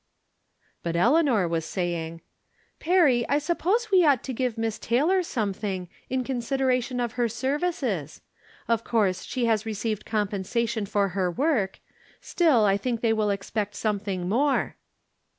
" But Eleanor was saying :" Perry, I suppose we ought to give Miss Tay lor something, in consideration of her services. Of course she has received compensation for her work ; still I. think they will expect something more."